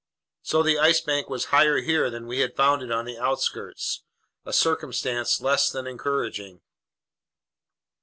So the Ice Bank was higher here than we had found it on the outskirts. A circumstance less than encouraging.